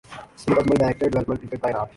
سعید Ajmal director development cricket تعینات